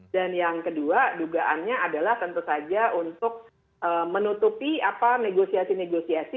dan yang kedua dugaannya adalah tentu saja untuk menutupi negosiasi negosiasi